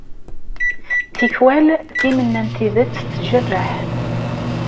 Tikkwal, timenna n tidet tjerreḥ.